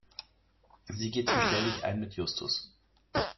Sie geht zum Stelldichein mit Justus.